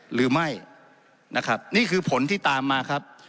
หรือไม่นะครับนี่คือผลที่ตามมาครับ